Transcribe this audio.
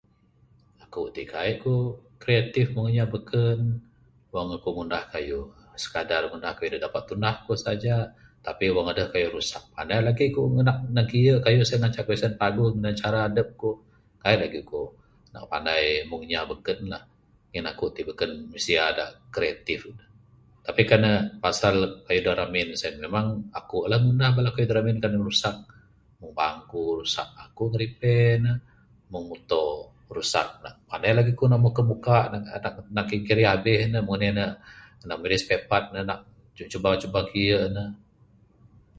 Akuk tik kai'k kuk kreatif mung inya bekun. Wang akuk ngundah kayuh, sekadar ngundah kayuh da dapat tundah kuk saja. Tapi wang aduh kayuh rusak, pandai lagi kuk nak ngkiu' kayuh sien, ngancak kayuh sien paguh minan cara adup kuk. Kai'k lagik kuk pandai na mung inya bekun lah. Ngin akuk tik bekun misiya da kreatif. Tapi kan ne pasal kayuh da ramin sien, memang akuk lah ngundah kayuh da ramin sien kan ne rusak. Mung bangku rusak, akuk ngiripai ne. Mung muto rusak, nak pandai lagi kuk nak muka muka ne. Nak ngirih ngirih abih ne, nak mung anih. Nak mirih spare part, nak cuba cuba kiye ne.